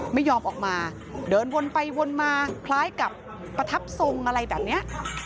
ไม่ยอมออกมาเดินวนไปวนมาคล้ายกับประทับทรงอะไรแบบนี้